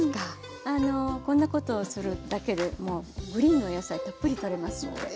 こんなことをするだけでもグリーンの野菜たっぷりとれますので。